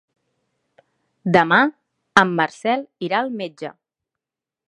Demà en Marcel irà al metge.